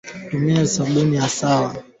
Ngombe kutokwa mate na kukohoa